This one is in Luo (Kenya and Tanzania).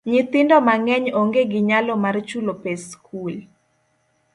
Nyithindo mang'eny onge gi nyalo mar chulo pes skul.